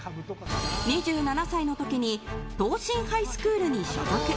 ２７歳の時に東進ハイスクールに所属。